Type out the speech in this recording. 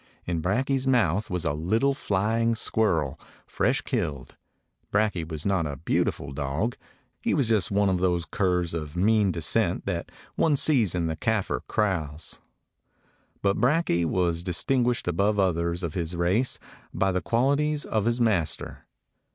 In Brakje's mouth was a little flying squirrel, fresh killed. Brakje was not a beautiful dog. He was just one of those curs of mean de scent that one sees in the Kafir kraals. But Brakje was distinguished above others of his race by the qualities of his master.